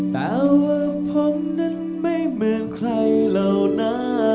แต่ว่าผมนั้นไม่เหมือนใครเหล่านะ